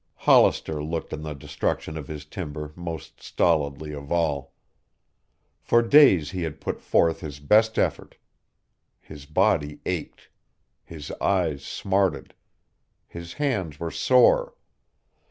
Hollister looked on the destruction of his timber most stolidly of all. For days he had put forth his best effort. His body ached. His eyes smarted. His hands were sore.